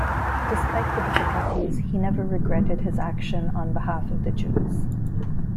Despite the difficulties, he never regretted his action on behalf of the Jews.